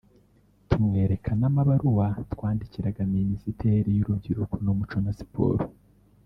tumwereka n’amabaruwa twandikiraga Minisiteri y’Urubyiruko n’Umuco na Siporo